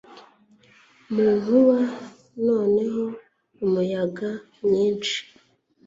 Mu nkuba Noneho umuyaga mwinshi